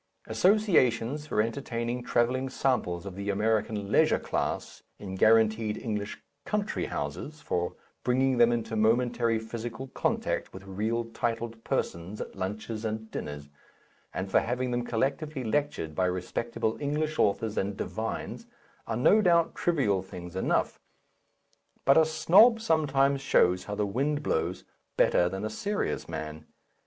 Associations for entertaining travelling samples of the American leisure class in guaranteed English country houses, for bringing them into momentary physical contact with real titled persons at lunches and dinners, and for having them collectively lectured by respectable English authors and divines, are no doubt trivial things enough; but a snob sometimes shows how the wind blows better than a serious man.